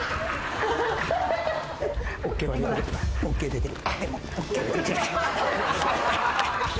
ＯＫ出てる。